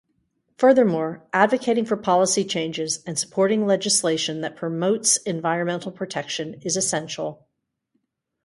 Furthermore, advocating for policy changes and supporting legislation that promotes environmental protection is essential.